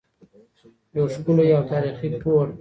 یو ښکلی او تاریخي کور.